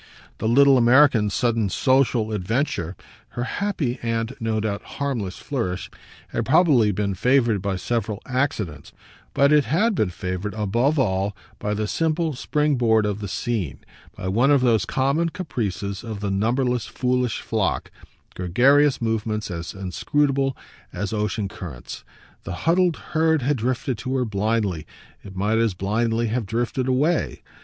The little American's sudden social adventure, her happy and, no doubt, harmless flourish, had probably been favoured by several accidents, but it had been favoured above all by the simple spring board of the scene, by one of those common caprices of the numberless foolish flock, gregarious movements as inscrutable as ocean currents. The huddled herd had drifted to her blindly it might as blindly have drifted away.